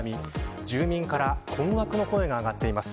住民から困惑の声が上がっています。